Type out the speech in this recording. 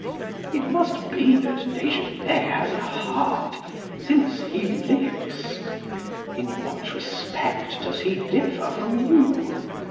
"It must be that Desgenais has a heart, since he lives. In what respect does he differ from you?